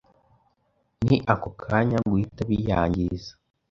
ni ako kanya guhita biyangiza